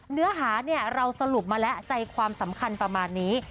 เนื้อหาเนี่ยเราสรุปมาแล้วใจความสำคัญประมาณนี้